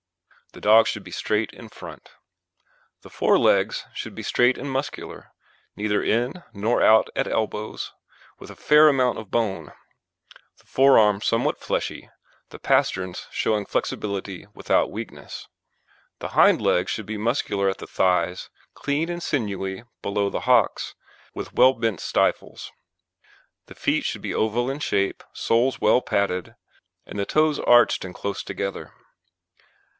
The dog should be straight in front. THE FORE LEGS should be straight and muscular, neither in nor out at elbows, with a fair amount of bone; the forearm somewhat fleshy, the pasterns showing flexibility without weakness. THE HIND LEGS should be muscular at the thighs, clean and sinewy below the hocks, with well bent stifles. THE FEET should be oval in shape, soles well padded, and the toes arched and close together.